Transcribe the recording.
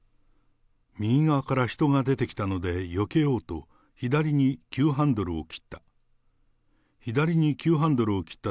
右側から人が出てきたのでよけようと、左に急ハンドルを切った。